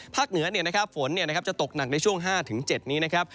เหนือฝนจะตกหนักในช่วง๕๗นี้นะครับ